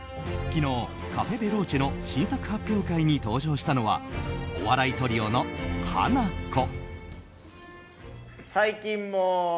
昨日、カフェ・ベローチェの新作発表会に登場したのはお笑いトリオのハナコ。